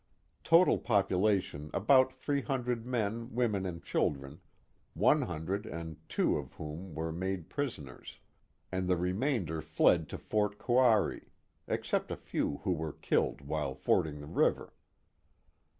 Total population about three hundred men, women, and children, one hundred and two of whom were made prisoners, and the remainder fled to Fort Kouari, except a few who were killed while fording the river.